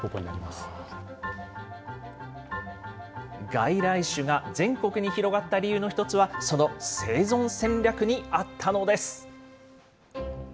外来種が全国に広がった理由の１つは、その生存戦略にあったのです。